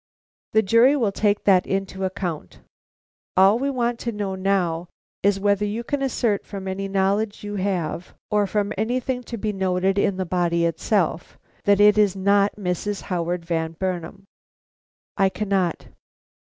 "The jury will take that into account. All we want to know now is whether you can assert from any knowledge you have or from anything to be noted in the body itself, that it is not Mrs. Howard Van Burnam?" "I cannot."